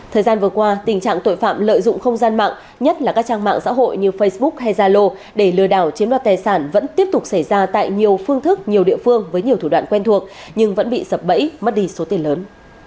thời gian vừa qua tình trạng tội phạm lợi dụng không gian mạng nhất là các trang mạng xã hội như facebook hay zalo để lừa đảo chiếm đoạt tài sản vẫn tiếp tục xảy ra tại nhiều phương thức nhiều địa phương với nhiều thủ đoạn quen thuộc nhưng vẫn bị sập bẫy mất đi số tiền lớn